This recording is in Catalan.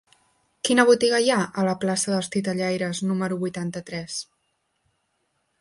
Quina botiga hi ha a la plaça dels Titellaires número vuitanta-tres?